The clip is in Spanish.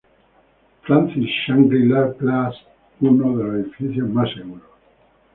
Francis Shangri-La Place uno de los edificios más seguros.